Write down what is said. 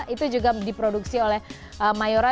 itu juga diproduksi oleh mayora